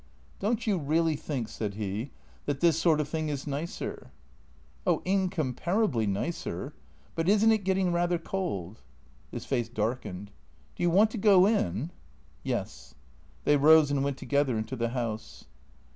" Don't you really think," said he, " that this sort of thing is nicer ?"" Oh, incomparably nicer. But is n't it getting rather cold ?" His face darkened. " Do you want to go in ?"" Yes." They rose and went together into the house.